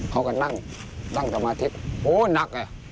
เขาก็นั่งนั่งตามอาทิตย์โอ้วหนักอะ